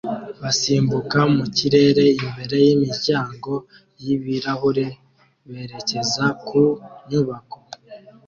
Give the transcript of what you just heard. basimbuka mu kirere imbere y'imiryango y'ibirahure berekeza ku nyubako